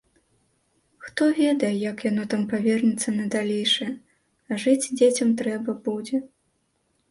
Хто ведае, як яно там павернецца на далейшае, а жыць дзецям трэба будзе.